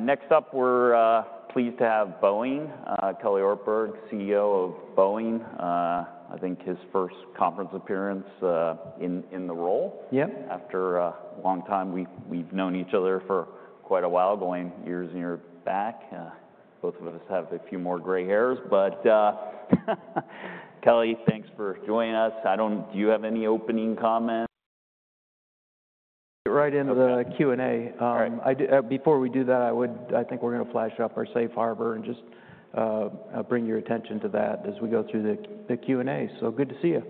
Next up, we're pleased to have Boeing, Kelly Ortberg, CEO of Boeing. I think his first conference appearance in the role. Yep. After a long time, we've known each other for quite a while, going years and years back. Both of us have a few more gray hairs, but Kelly, thanks for joining us. Do you have any opening comments? Right into the Q&A. Before we do that, I think we're going to flash up our safe harbor and just bring your attention to that as we go through the Q&A. So good to see you.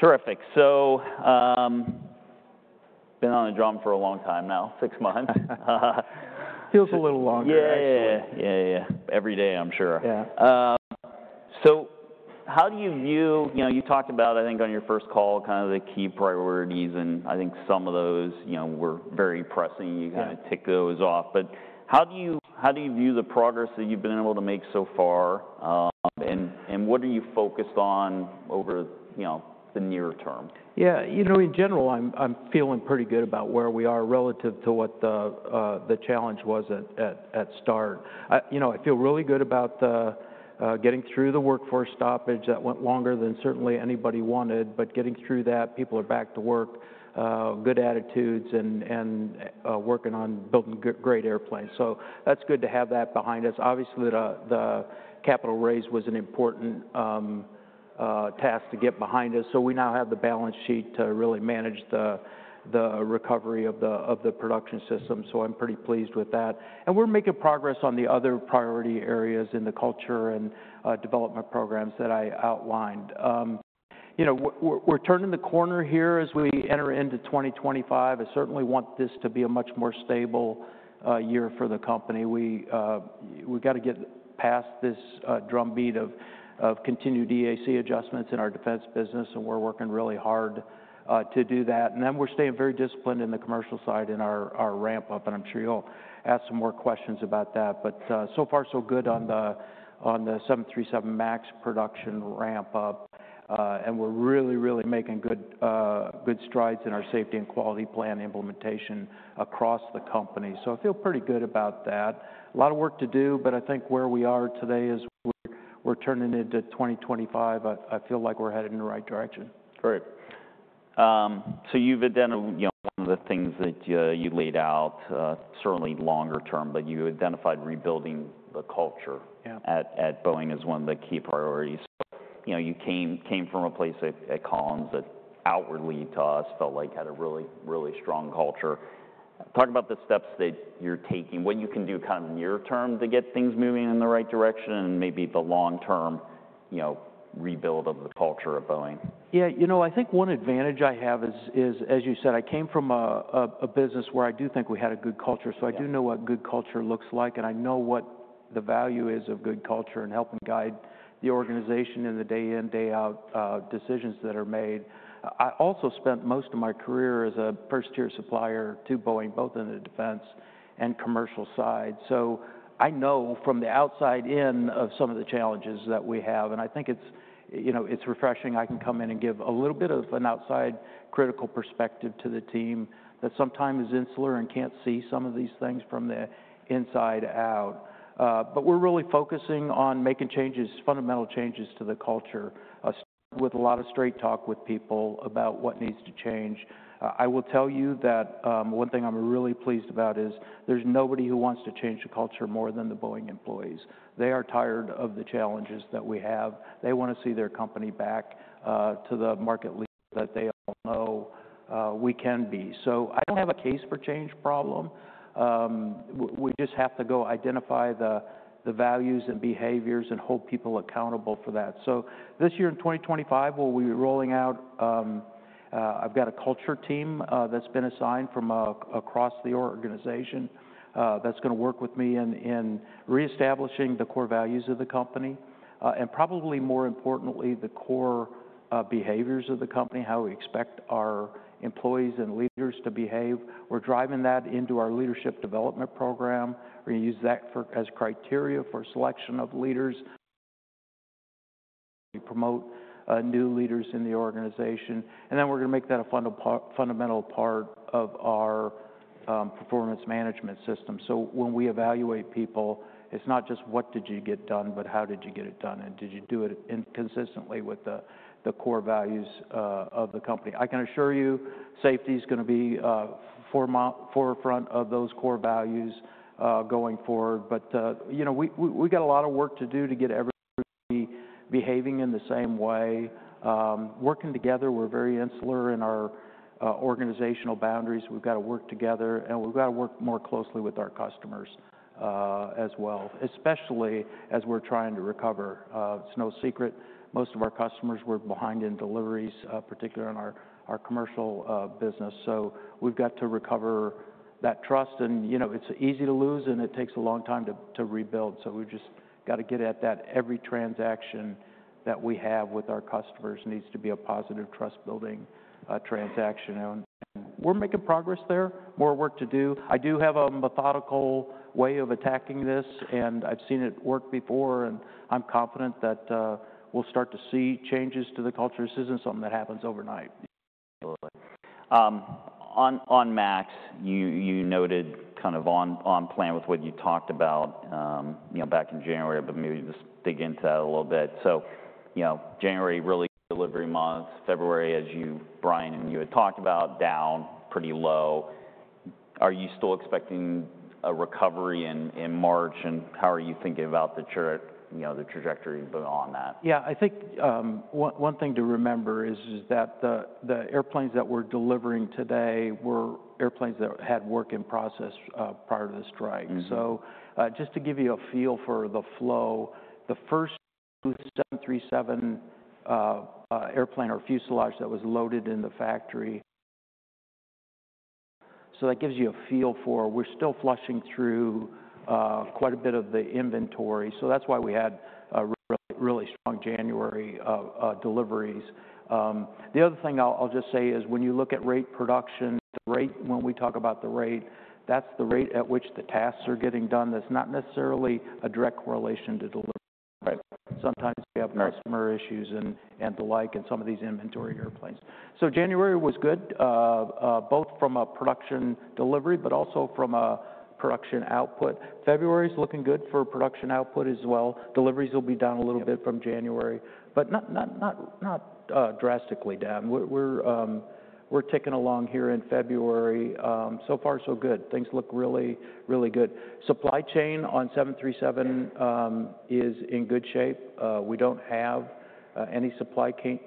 Terrific. So I've been on the drum for a long time now, six months. Feels a little longer, actually. Yeah, yeah, yeah. Every day, I'm sure. Yeah. So how do you view, you know, you talked about, I think on your first call, kind of the key priorities, and I think some of those were very pressing. You kind of ticked those off. But how do you view the progress that you've been able to make so far, and what are you focused on over the near term? Yeah, you know, in general, I'm feeling pretty good about where we are relative to what the challenge was at start. You know, I feel really good about getting through the workforce stoppage that went longer than certainly anybody wanted, but getting through that, people are back to work, good attitudes, and working on building great airplanes. So that's good to have that behind us. Obviously, the capital raise was an important task to get behind us. So we now have the balance sheet to really manage the recovery of the production system. So I'm pretty pleased with that. And we're making progress on the other priority areas in the culture and development programs that I outlined. You know, we're turning the corner here as we enter into 2025. I certainly want this to be a much more stable year for the company. We've got to get past this drumbeat of continued EAC adjustments in our defense business, and we're working really hard to do that, and then we're staying very disciplined in the commercial side in our ramp-up, and I'm sure you'll ask some more questions about that, but so far, so good on the 737 MAX production ramp-up, and we're really, really making good strides in our safety and quality plan implementation across the company, so I feel pretty good about that. A lot of work to do, but I think where we are today as we're turning into 2025, I feel like we're headed in the right direction. Great, so you've identified one of the things that you laid out, certainly longer term, but you identified rebuilding the culture at Boeing as one of the key priorities. You came from a place at Collins that outwardly to us felt like had a really, really strong culture. Talk about the steps that you're taking, what you can do kind of near term to get things moving in the right direction, and maybe the long-term rebuild of the culture at Boeing? Yeah, you know, I think one advantage I have is, as you said, I came from a business where I do think we had a good culture. So I do know what good culture looks like, and I know what the value is of good culture and helping guide the organization in the day in, day out decisions that are made. I also spent most of my career as a first-tier supplier to Boeing, both in the defense and commercial side. So I know from the outside in of some of the challenges that we have, and I think it's refreshing. I can come in and give a little bit of an outside critical perspective to the team that sometimes is insular and can't see some of these things from the inside out. But we're really focusing on making changes, fundamental changes to the culture, with a lot of straight talk with people about what needs to change. I will tell you that one thing I'm really pleased about is there's nobody who wants to change the culture more than the Boeing employees. They are tired of the challenges that we have. They want to see their company back to the market leader that they all know we can be. So I don't have a case for change problem. We just have to go identify the values and behaviors and hold people accountable for that. So this year in 2025, we'll be rolling out. I've got a culture team that's been assigned from across the organization that's going to work with me in reestablishing the core values of the company and probably more importantly, the core behaviors of the company, how we expect our employees and leaders to behave. We're driving that into our leadership development program. We're going to use that as criteria for selection of leaders. We promote new leaders in the organization, and then we're going to make that a fundamental part of our performance management system. So when we evaluate people, it's not just what did you get done, but how did you get it done, and did you do it consistently with the core values of the company? I can assure you safety is going to be forefront of those core values going forward. But you know, we got a lot of work to do to get everybody behaving in the same way. Working together, we're very insular in our organizational boundaries. We've got to work together, and we've got to work more closely with our customers as well, especially as we're trying to recover. It's no secret, most of our customers were behind in deliveries, particularly in our commercial business. So we've got to recover that trust, and you know, it's easy to lose, and it takes a long time to rebuild. So we've just got to get at that. Every transaction that we have with our customers needs to be a positive trust-building transaction. We're making progress there, more work to do. I do have a methodical way of attacking this, and I've seen it work before, and I'm confident that we'll start to see changes to the culture. This isn't something that happens overnight. On MAX, you noted kind of on plan with what you talked about back in January, but maybe just dig into that a little bit, so you know, January really delivery month, February as you, Brian and you had talked about, down, pretty low. Are you still expecting a recovery in March, and how are you thinking about the trajectory beyond that? Yeah, I think one thing to remember is that the airplanes that we're delivering today were airplanes that had work in process prior to the strike. So just to give you a feel for the flow, the first 737 airplane or fuselage that was loaded in the factory. So that gives you a feel for, we're still flushing through quite a bit of the inventory. So that's why we had really strong January deliveries. The other thing I'll just say is when you look at rate production, the rate, when we talk about the rate, that's the rate at which the tasks are getting done. That's not necessarily a direct correlation to delivery. Sometimes we have customer issues and the like in some of these inventory airplanes. So January was good, both from a production delivery, but also from a production output. February is looking good for production output as well. Deliveries will be down a little bit from January, but not drastically down. We're ticking along here in February. So far, so good. Things look really, really good. Supply chain on 737 is in good shape. We don't have any supply chain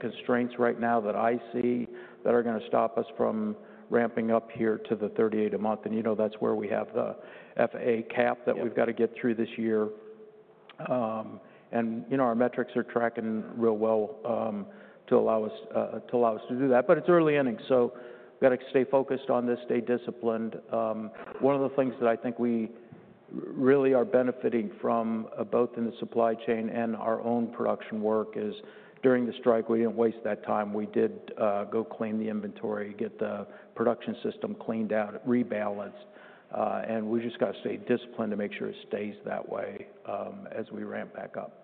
constraints right now that I see that are going to stop us from ramping up here to the 38 a month. And you know, that's where we have the FAA cap that we've got to get through this year. And you know, our metrics are tracking real well to allow us to do that. But it's early inning. So we've got to stay focused on this, stay disciplined. One of the things that I think we really are benefiting from both in the supply chain and our own production work is during the strike, we didn't waste that time. We did go clean the inventory, get the production system cleaned out, rebalanced, and we just got to stay disciplined to make sure it stays that way as we ramp back up.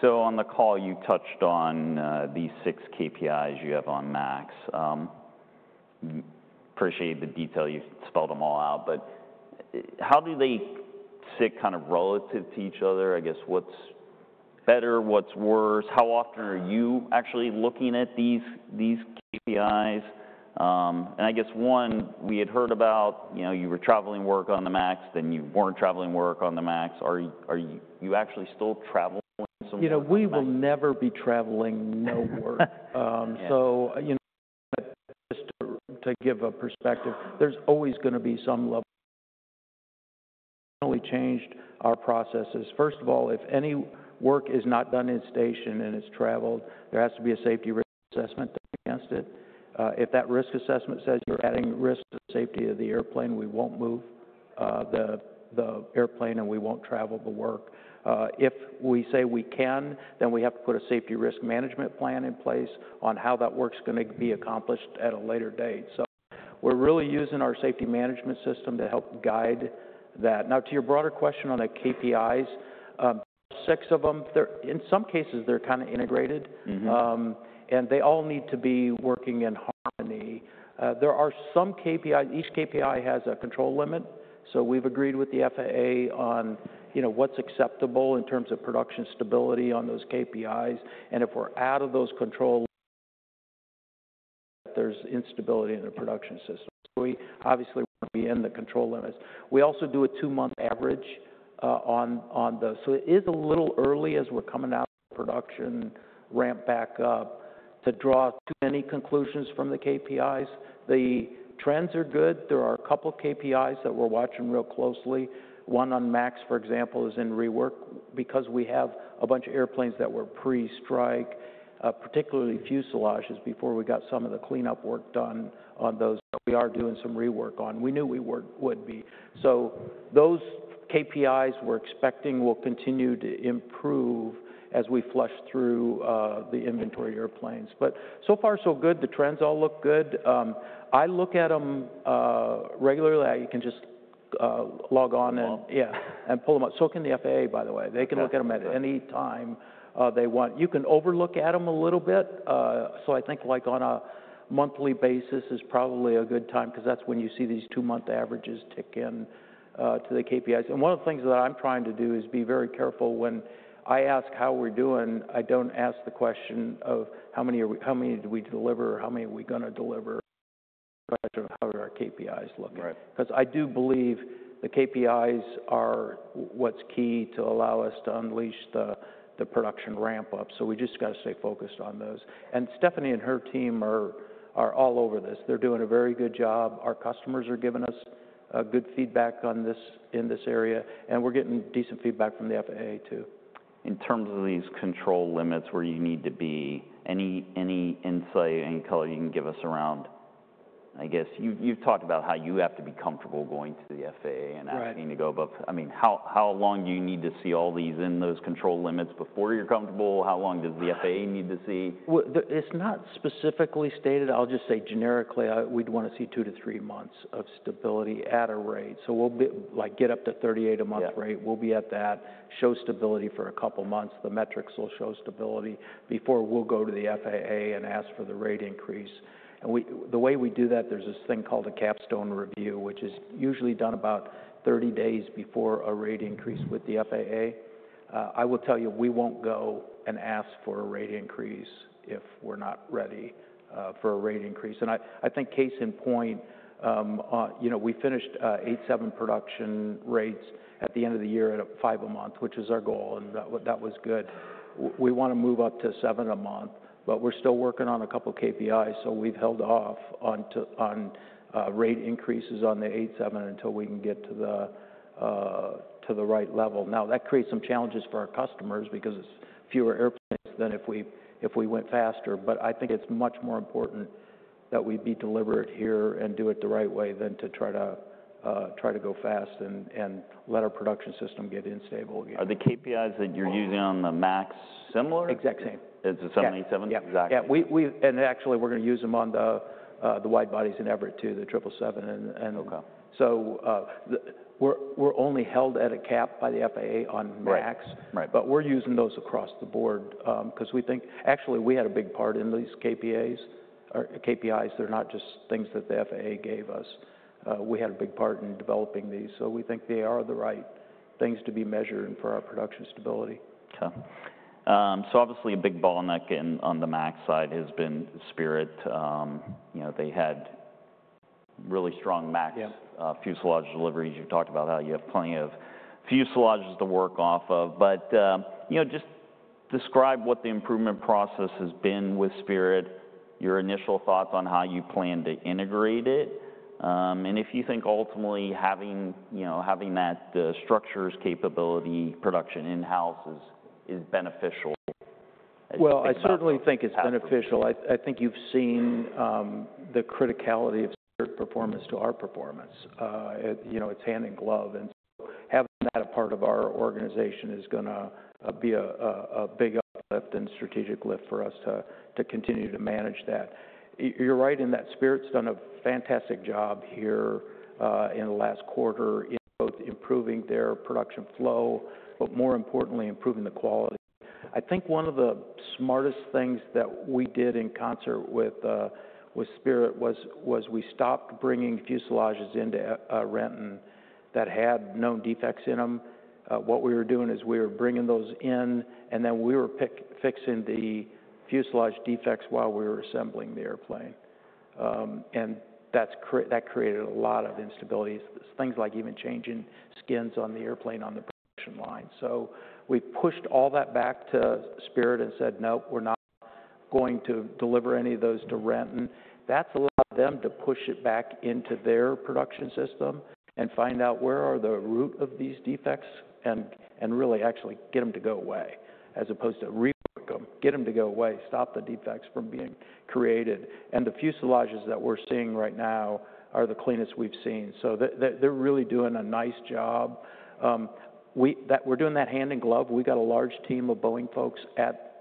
So on the call, you touched on these six KPIs you have on MAX. Appreciate the detail, you spelled them all out, but how do they sit kind of relative to each other? I guess what's better, what's worse? How often are you actually looking at these KPIs? And I guess one, we had heard about you were traveled work on the MAX, then you weren't traveled work on the MAX. Are you actually still traveling somewhere? You know, we will never be traveled work. So you know, just to give a perspective, there's always going to be some level of change to our processes. First of all, if any work is not done in-station ,and it's traveled, there has to be a safety risk assessment done against it. If that risk assessment says you're adding risk to the safety of the airplane, we won't move the airplane and we won't travel the work. If we say we can, then we have to put a safety risk management plan in place on how that work's going to be accomplished at a later date. So we're really using our safety management system to help guide that. Now, to your broader question on the KPIs, six of them, in some cases, they're kind of integrated and they all need to be working in harmony. There are some KPIs. Each KPI has a control limit. So we've agreed with the FAA on what's acceptable in terms of production stability on those KPIs. And if we're out of those controls, there's instability in the production system. So we obviously want to be in the control limits. We also do a two-month average on the, so it is a little early as we're coming out of production ramp back up to draw too many conclusions from the KPIs. The trends are good. There are a couple of KPIs that we're watching real closely. One on MAX, for example, is in rework because we have a bunch of airplanes that were pre-strike, particularly fuselages, before we got some of the cleanup work done on those that we are doing some rework on. We knew we would be. So those KPIs we're expecting will continue to improve as we flush through the inventory airplanes. But so far, so good, the trends all look good. I look at them regularly. You can just log on and yeah, and pull them up. So can the FAA, by the way. They can look at them at any time they want. You can overlook at them a little bit. So I think like on a monthly basis is probably a good time because that's when you see these two-month averages tick in to the KPIs. And one of the things that I'm trying to do is be very careful when I ask how we're doing. I don't ask the question of how many did we deliver, how many are we going to deliver, how are our KPIs looking. Because I do believe the KPIs are what's key to allow us to unleash the production ramp-up. So we just got to stay focused on those. And Stephanie and her team are all over this. They're doing a very good job. Our customers are giving us good feedback on this in this area, and we're getting decent feedback from the FAA too. In terms of these control limits where you need to be, any insight and color you can give us around, I guess you've talked about how you have to be comfortable going to the FAA and asking to go, but I mean, how long do you need to see all these in those control limits before you're comfortable? How long does the FAA need to see? It's not specifically stated. I'll just say generically, we'd want to see two to three months of stability at a rate. So we'll get up to 38 a month rate. We'll be at that, show stability for a couple of months. The metrics will show stability before we'll go to the FAA and ask for the rate increase. And the way we do that, there's this thing called a Capstone review, which is usually done about 30 days before a rate increase with the FAA. I will tell you, we won't go and ask for a rate increase if we're not ready for a rate increase. And I think case in point, you know, we finished eight, seven production rates at the end of the year at five a month, which is our goal, and that was good. We want to move up to seven a month, but we're still working on a couple of KPIs. So we've held off on rate increases on the 787 until we can get to the right level. Now, that creates some challenges for our customers because it's fewer airplanes than if we went faster. But I think it's much more important that we be deliberate here and do it the right way than to try to go fast and let our production system get unstable again. Are the KPIs that you're using on the MAX similar? Exact same. Is it 787? Yeah. And actually, we're going to use them on the wide bodies in Everett too, the 777 and so we're only held at a cap by the FAA on MAX, but we're using those across the board because we think actually we had a big part in these KPIs. They're not just things that the FAA gave us. We had a big part in developing these. So we think they are the right things to be measured for our production stability. So obviously a big bottleneck on the MAX side has been Spirit. You know, they had really strong MAX fuselage deliveries. You've talked about how you have plenty of fuselages to work off of. But you know, just describe what the improvement process has been with Spirit, your initial thoughts on how you plan to integrate it. And if you think ultimately having that structures capability production in-house is beneficial? I certainly think it's beneficial. I think you've seen the criticality of Spirit performance to our performance. You know, it's hand in glove. So having that as a part of our organization is going to be a big uplift and strategic lift for us to continue to manage that. You're right in that Spirit's done a fantastic job here in the last quarter in both improving their production flow, but more importantly, improving the quality. I think one of the smartest things that we did in concert with Spirit was we stopped bringing fuselages into Renton that had known defects in them. What we were doing is we were bringing those in and then we were fixing the fuselage defects while we were assembling the airplane. That created a lot of instabilities, things like even changing skins on the airplane on the production line. We pushed all that back to Spirit and said, no, we're not going to deliver any of those to Renton. And that's allowed them to push it back into their production system and find out where are the root of these defects and really actually get them to go away as opposed to rework them, get them to go away, stop the defects from being created. And the fuselages that we're seeing right now are the cleanest we've seen. So they're really doing a nice job. We're doing that hand in glove. We've got a large team of Boeing folks at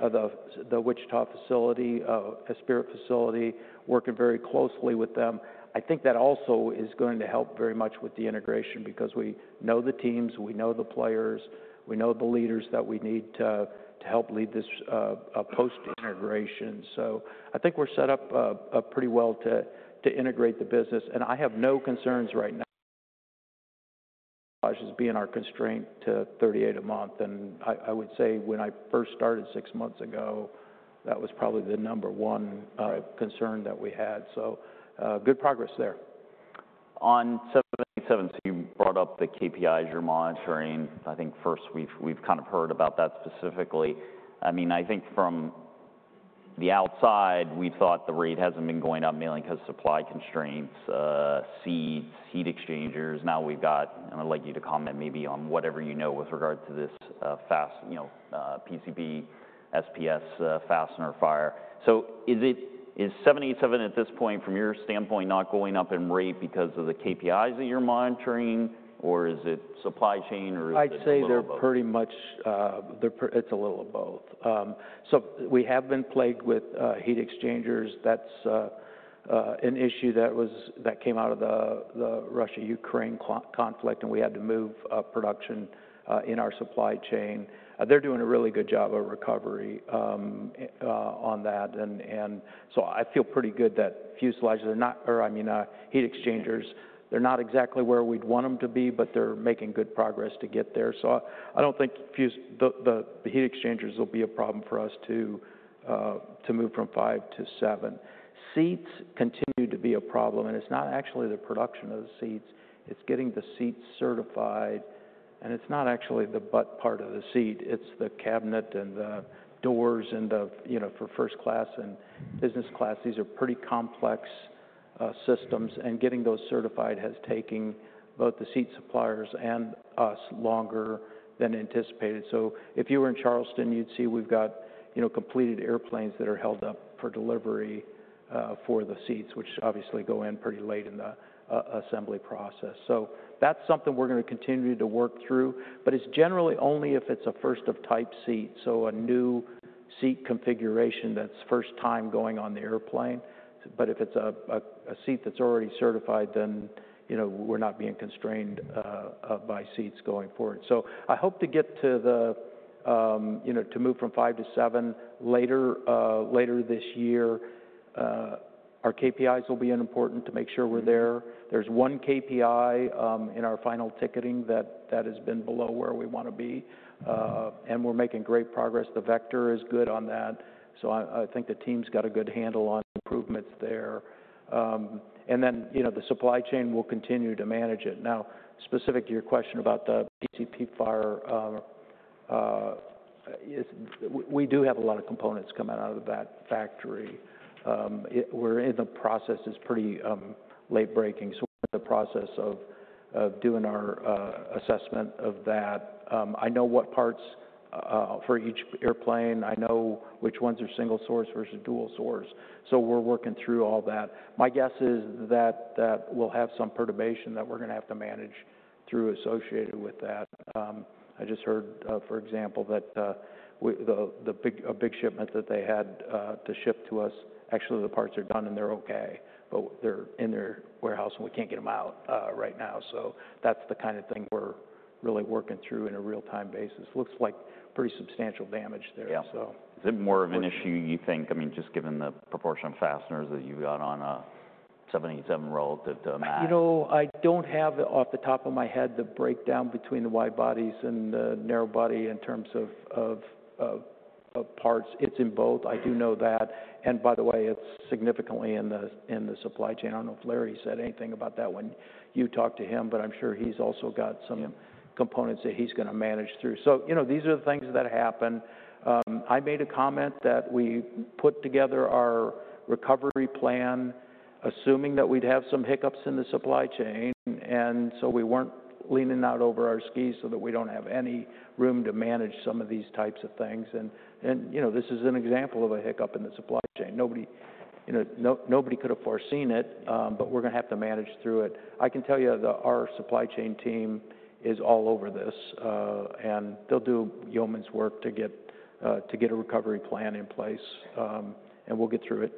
the Wichita facility, a Spirit facility, working very closely with them. I think that also is going to help very much with the integration because we know the teams, we know the players, we know the leaders that we need to help lead this post-integration. So I think we're set up pretty well to integrate the business. And I have no concerns right now as being our constraint to 38 a month. And I would say when I first started six months ago, that was probably the number one concern that we had. So good progress there. On 777, so you brought up the KPIs you're monitoring. I think first we've kind of heard about that specifically. I mean, I think from the outside, we thought the rate hasn't been going up mainly because of supply constraints, seats, heat exchangers. Now we've got, and I'd like you to comment maybe on whatever you know with regard to this fast, you know, PCB, SPS, fastener fire. So is 777 at this point from your standpoint not going up in rate because of the KPIs that you're monitoring or is it supply chain or is it? I'd say they're pretty much. It's a little of both. So we have been plagued with heat exchangers. That's an issue that came out of the Russia-Ukraine conflict and we had to move production in our supply chain. They're doing a really good job of recovery on that. And so I feel pretty good that fuselages, I mean, heat exchangers, they're not exactly where we'd want them to be, but they're making good progress to get there. So I don't think the heat exchangers will be a problem for us to move from five to seven. Seats continue to be a problem. And it's not actually the production of the seats. It's getting the seats certified. And it's not actually the butt part of the seat. It's the cabinet and the doors and the, you know, for first class and business class, these are pretty complex systems. And getting those certified has taken both the seat suppliers and us longer than anticipated. So if you were in Charleston, you'd see we've got, you know, completed airplanes that are held up for delivery for the seats, which obviously go in pretty late in the assembly process. So that's something we're going to continue to work through. But it's generally only if it's a first of type seat. So a new seat configuration that's first time going on the airplane. But if it's a seat that's already certified, then you know we're not being constrained by seats going forward. So I hope to get to the, you know, to move from five to seven later this year. Our KPIs will be important to make sure we're there. There's one KPI in our final ticketing that has been below where we want to be. And we're making great progress. The vector is good on that. So I think the team's got a good handle on improvements there. And then, you know, the supply chain will continue to manage it. Now, specific to your question about the SPS fire, we do have a lot of components coming out of that factory. We're in the process. It's pretty late-breaking. So we're in the process of doing our assessment of that. I know what parts for each airplane. I know which ones are single source versus dual source. So we're working through all that. My guess is that we'll have some perturbation that we're going to have to manage through associated with that. I just heard, for example, that a big shipment that they had to ship to us. Actually the parts are done and they're okay, but they're in their warehouse and we can't get them out right now. So that's the kind of thing we're really working through in a real-time basis. Looks like pretty substantial damage there. Is it more of an issue you think, I mean, just given the proportion of fasteners that you've got on a 77 relative to a MAX? You know, I don't have off the top of my head the breakdown between the wide bodies and the narrow body in terms of parts. It's in both, I do know that, and by the way, it's significantly in the supply chain. I don't know if Larry said anything about that when you talked to him, but I'm sure he's also got some components that he's going to manage through, so you know, these are the things that happen. I made a comment that we put together our recovery plan assuming that we'd have some hiccups in the supply chain, and so we weren't leaning out over our skis so that we don't have any room to manage some of these types of things, and you know, this is an example of a hiccup in the supply chain. Nobody could have foreseen it, but we're going to have to manage through it. I can tell you that our supply chain team is all over this. And they'll do yeoman's work to get a recovery plan in place. And we'll get through it.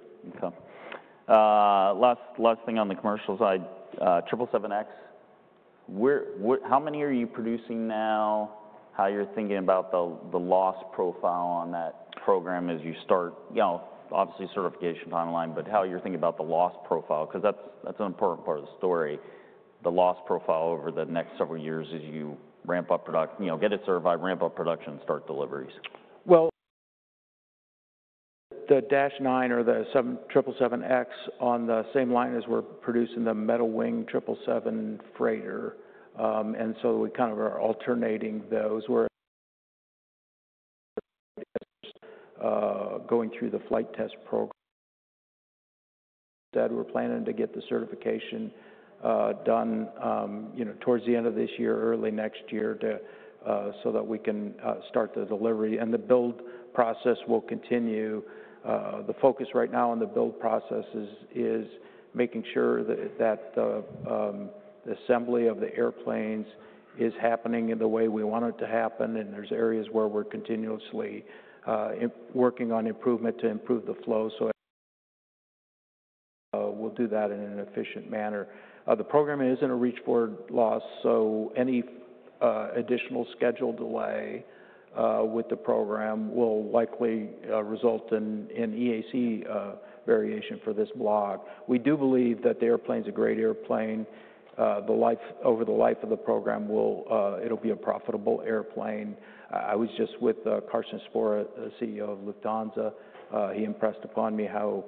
Last thing on the commercial side, 777X, how many are you producing now? How you're thinking about the loss profile on that program as you start, you know, obviously certification timeline, but how you're thinking about the loss profile because that's an important part of the story. The loss profile over the next several years as you ramp up, you know, get it certified, ramp up production and start deliveries. The -9 or the 777X on the same line as we're producing the metal wing 777 Freighter, and so we kind of are alternating those. We're going through the flight test program. We're planning to get the certification done, you know, towards the end of this year, early next year so that we can start the delivery, and the build process will continue. The focus right now on the build process is making sure that the assembly of the airplanes is happening in the way we want it to happen, and there's areas where we're continuously working on improvement to improve the flow, so we'll do that in an efficient manner. The program isn't a reach forward loss, so any additional schedule delay with the program will likely result in EAC variation for this block. We do believe that the airplane is a great airplane. Over the life of the program, it'll be a profitable airplane. I was just with Carsten Spohr, the CEO of Lufthansa. He impressed upon me how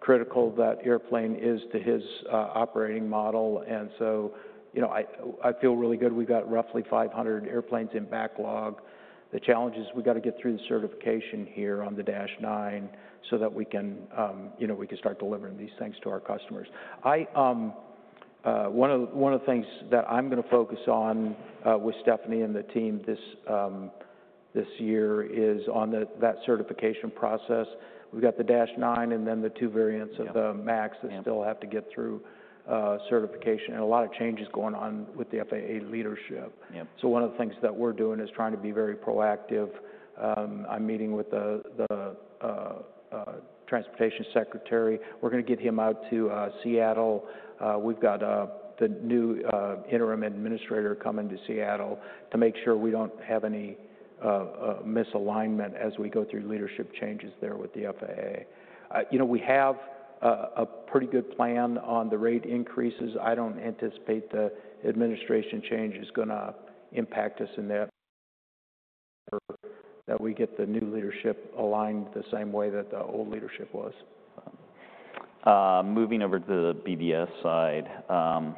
critical that airplane is to his operating model. And so, you know, I feel really good. We've got roughly 500 airplanes in backlog. The challenge is we got to get through the certification here on the -9 so that we can, you know, we can start delivering these things to our customers. One of the things that I'm going to focus on with Stephanie and the team this year is on that certification process. We've got the -9 and then the two variants of the MAX that still have to get through certification. And a lot of change is going on with the FAA leadership. So one of the things that we're doing is trying to be very proactive. I'm meeting with the Transportation Secretary. We're going to get him out to Seattle. We've got the new interim administrator coming to Seattle to make sure we don't have any misalignment as we go through leadership changes there with the FAA. You know, we have a pretty good plan on the rate increases. I don't anticipate the administration change is going to impact us in that we get the new leadership aligned the same way that the old leadership was. Moving over to the BDS side.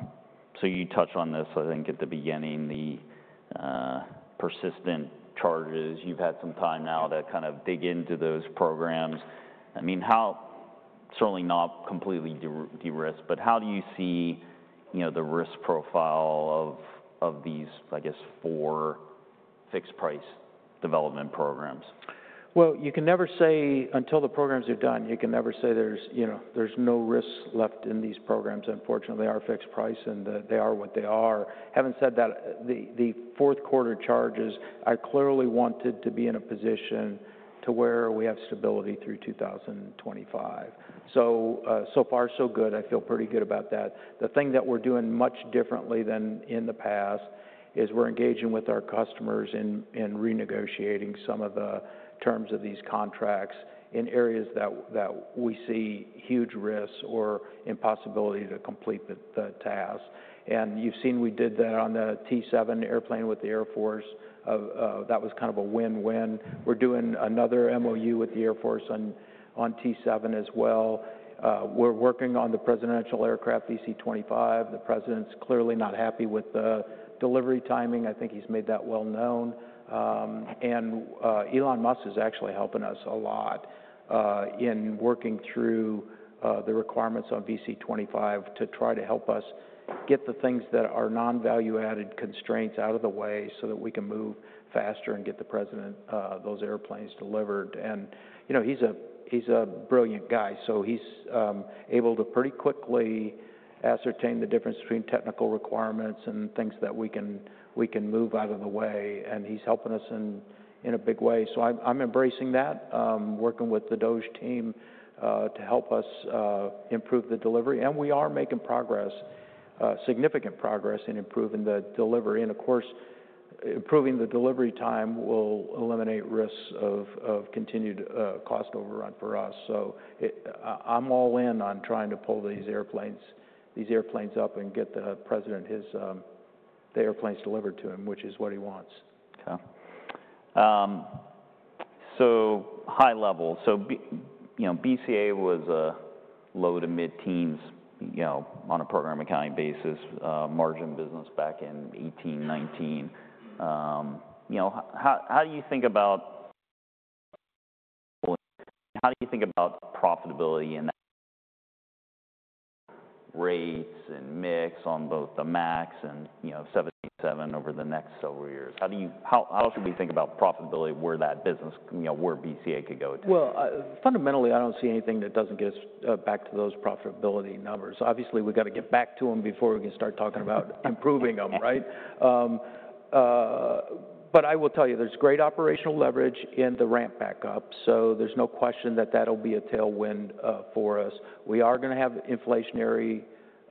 So you touched on this, I think at the beginning, the persistent charges. You've had some time now to kind of dig into those programs. I mean, how, certainly not completely de-risked, but how do you see, you know, the risk profile of these, I guess, four fixed price development programs? You can never say until the programs are done. You can never say there's, you know, there's no risks left in these programs. Unfortunately, they are fixed price and they are what they are. Having said that, the fourth quarter charges, I clearly wanted to be in a position to where we have stability through 2025. So far, so good. I feel pretty good about that. The thing that we're doing much differently than in the past is we're engaging with our customers and renegotiating some of the terms of these contracts in areas that we see huge risks or impossibility to complete the task, and you've seen we did that on the T-7 airplane with the Air Force. That was kind of a win-win. We're doing another MOU with the Air Force on T7 as well. We're working on the presidential aircraft, VC-25. The President's clearly not happy with the delivery timing. I think he's made that well known, and Elon Musk is actually helping us a lot in working through the requirements on VC-25 to try to help us get the things that are non-value added constraints out of the way so that we can move faster and get the President those airplanes delivered, and, you know, he's a brilliant guy, so he's able to pretty quickly ascertain the difference between technical requirements and things that we can move out of the way, and he's helping us in a big way, so I'm embracing that, working with the DOGE team to help us improve the delivery, and we are making progress, significant progress in improving the delivery, and of course, improving the delivery time will eliminate risks of continued cost overrun for us. So I'm all in on trying to pull these airplanes up, and get the President his airplanes delivered to him, which is what he wants. So high level. So, you know, BCA was a low- to mid-teens%, you know, on a program accounting basis, margin business back in 18/19. You know, how do you think about profitability and rates and mix on both the MAX and, you know, 77 over the next several years? How should we think about profitability where that business, you know, where BCA could go to? Fundamentally, I don't see anything that doesn't get us back to those profitability numbers. Obviously, we've got to get back to them before we can start talking about improving them, right? But I will tell you, there's great operational leverage in the ramp backup. So there's no question that that'll be a tailwind for us. We are going to have inflationary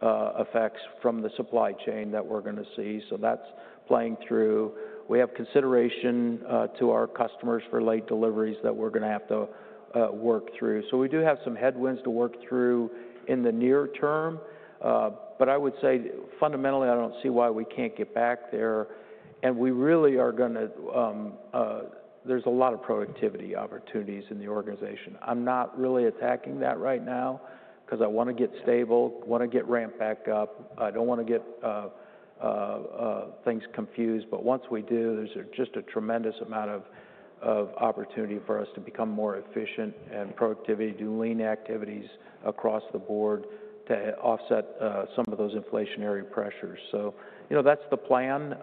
effects from the supply chain that we're going to see. So that's playing through. We have consideration to our customers for late deliveries that we're going to have to work through. So we do have some headwinds to work through in the near term. But I would say fundamentally, I don't see why we can't get back there. And we really are going to. There's a lot of productivity opportunities in the organization. I'm not really attacking that right now because I want to get stable, want to get ramp back up. I don't want to get things confused, but once we do, there's just a tremendous amount of opportunity for us to become more efficient and productivity, do lean activities across the board to offset some of those inflationary pressures, so you know, that's the plan.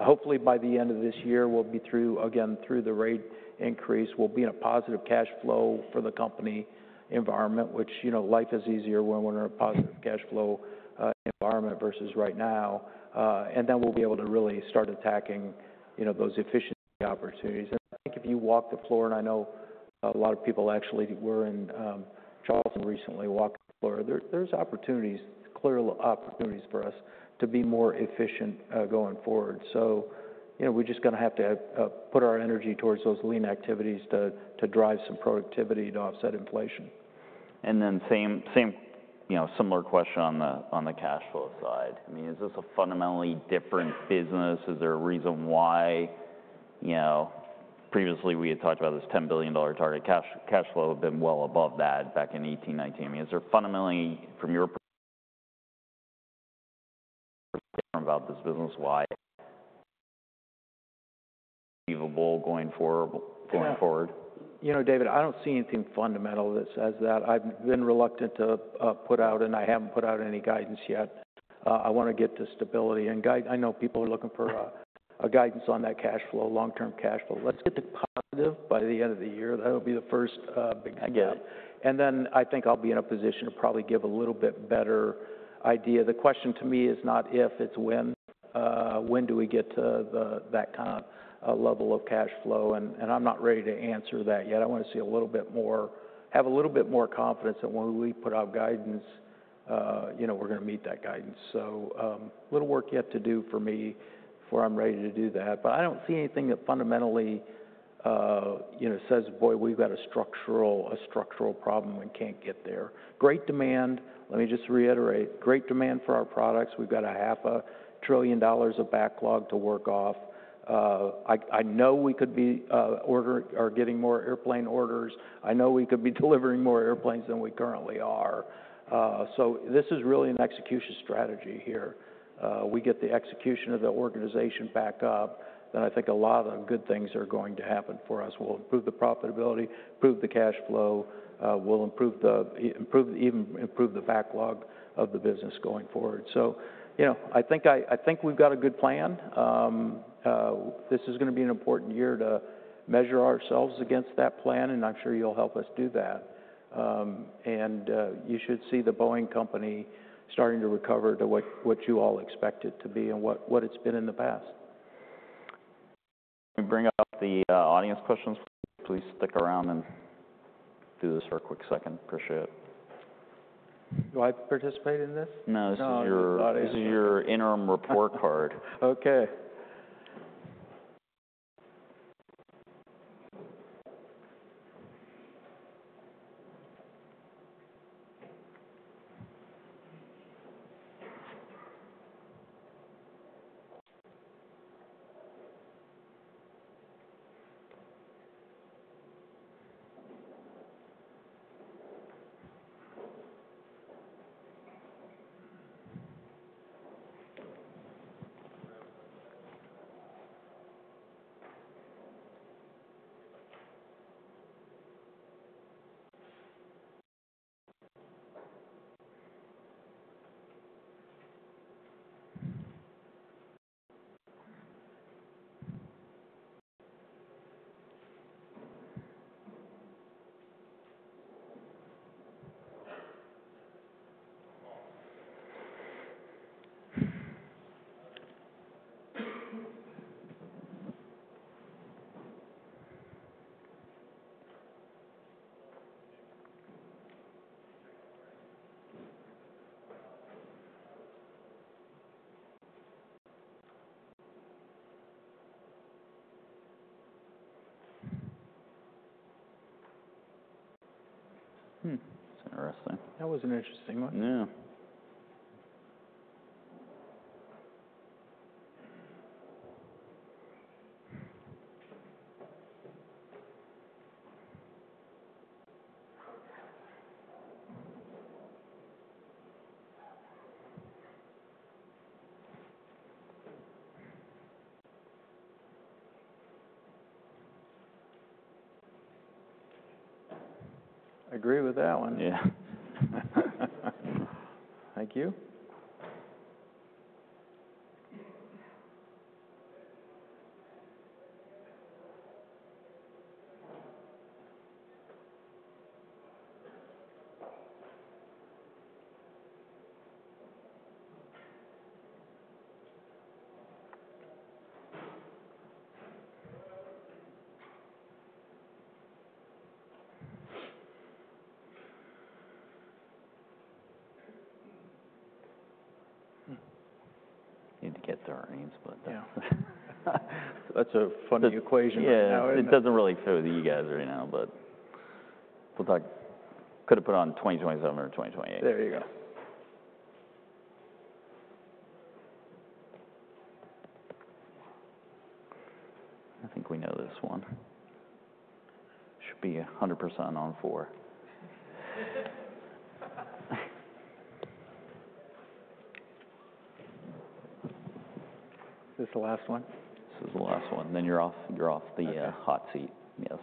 Hopefully, by the end of this year, we'll be through, again, through the rate increase. We'll be in a positive cash flow for the company environment, which you know, life is easier when we're in a positive cash flow environment versus right now, and then we'll be able to really start attacking, you know, those efficiency opportunities. I think if you walk the floor, and I know a lot of people actually were in Charleston recently, walk the floor. There's opportunities, clear opportunities for us to be more efficient going forward. You know, we're just going to have to put our energy towards those lean activities to drive some productivity to offset inflation. And then same, you know, similar question on the cash flow side. I mean, is this a fundamentally different business? Is there a reason why, you know, previously we had talked about this $10 billion target cash flow had been well above that back in 18/19? I mean, is there fundamentally, from your perspective, about this business, why achievable going forward? You know, David, I don't see anything fundamental that says that. I've been reluctant to put out, and I haven't put out any guidance yet. I want to get to stability. And I know people are looking for guidance on that cash flow, long-term cash flow. Let's get to positive by the end of the year. That'll be the first big thing. And then I think I'll be in a position to probably give a little bit better idea. The question to me is not if, it's when. When do we get to that kind of level of cash flow? And I'm not ready to answer that yet. I want to see a little bit more, have a little bit more confidence that when we put out guidance, you know, we're going to meet that guidance. So little work yet to do for me before I'm ready to do that. But I don't see anything that fundamentally, you know, says, boy, we've got a structural problem and can't get there. Great demand. Let me just reiterate. Great demand for our products. We've got $500 billion of backlog to work off. I know we could be getting more airplane orders. I know we could be delivering more airplanes than we currently are. So this is really an execution strategy here. We get the execution of the organization back up. Then I think a lot of the good things are going to happen for us. We'll improve the profitability, improve the cash flow, we'll improve the, even improve the backlog of the business going forward. So, you know, I think we've got a good plan. This is going to be an important year to measure ourselves against that plan, and I'm sure you'll help us do that. You should see the Boeing Company starting to recover to what you all expected to be and what it's been in the past. Can we bring up the audience questions? Please stick around and do this for a quick second. Appreciate it. Do I participate in this? No, this is your interim report card. Okay. That's interesting. That was an interesting one. Yeah. I agree with that one. Yeah. Thank you. Need to get the earnings split though. Yeah. That's a funny equation. Yeah. It doesn't really fit with you guys right now, but we'll talk. Could have put on 2027 or 2028. There you go. I think we know this one. Should be 100% on four. This is the last one? This is the last one. Then you're off the hot seat. Yes.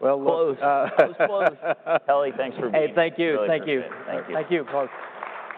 Well, close. Close, close. Kelly, thanks for being here. Hey, thank you. Thank you. Thank you. Thank you, close.